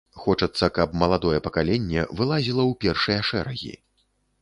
Хочацца, каб маладое пакаленне вылазіла ў першыя шэрагі.